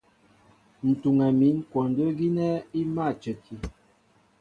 Ǹ tuŋɛ mín kwɔndə́ gínɛ́ í mâ a cəki.